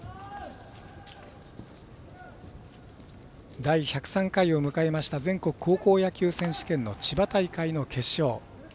第１０３回を迎えました全国高校野球選手権の千葉大会の決勝。